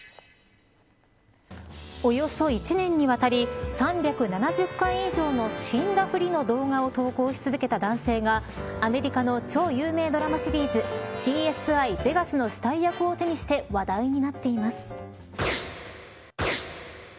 およそ１年にわたり３７０回以上の死んだふりの動画を投稿し続けた男性がアメリカの超有名ドラマシリーズＣＳＩ：ベガスの死体役を手にして話題になっています。